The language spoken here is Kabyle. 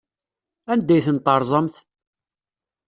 Anda ay ten-terẓamt?